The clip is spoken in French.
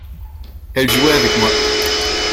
elle jouait avec moi.